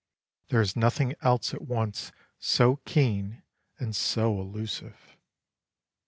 There is nothing else at once so keen and so elusive.